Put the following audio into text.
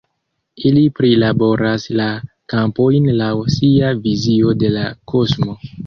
Ili prilaboras la kampojn laŭ sia vizio de la kosmo.